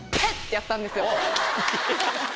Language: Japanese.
てやったんですよ。